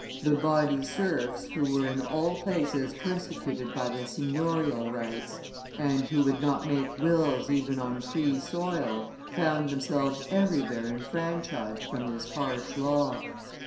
The body serfs, who were in all places persecuted by the signiorial rights, and who could not make wills even on free soil, found themselves everywhere enfranchised from this harsh law.